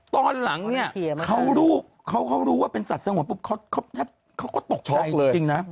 ตอนหลังเนี่ยเขารู้ว่าเป็นสัตว์สงวนปุ๊บเขาก็ตกใจเลยจริงนะ